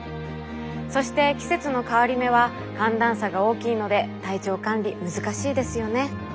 そして季節の変わり目は寒暖差が大きいので体調管理難しいですよね。